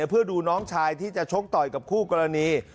เพื่อดูน้องชายที่จะชกต่อยกับคู่กรณี